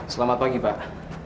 selamat pagi pak